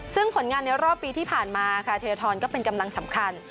ซึ่งผลงานในรอบปีที่ผ่านมาค่ะเทียทรก็เป็นกำลังสำคัญ